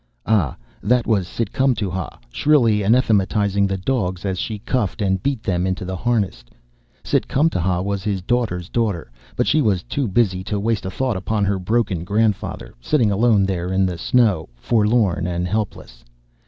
Ah! that was Sit cum to ha, shrilly anathematizing the dogs as she cuffed and beat them into the harnesses. Sit cum to ha was his daughter's daughter, but she was too busy to waste a thought upon her broken grandfather, sitting alone there in the snow, forlorn and helpless.